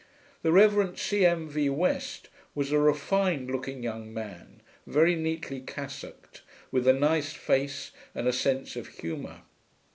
The Rev. C. M. V. West was a refined looking young man, very neatly cassocked, with a nice face and a sense of humour.